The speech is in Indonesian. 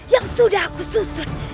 yang sudah aku susun